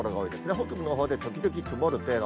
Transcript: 北部のほうで時々曇る程度。